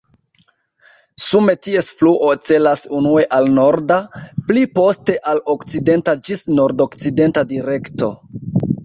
Sume ties fluo celas unue al norda, pli poste al okcidenta ĝis nordokcidenta direkto.